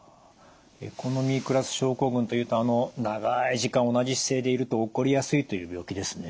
エコノミークラス症候群というとあの長い時間同じ姿勢でいると起こりやすいという病気ですね。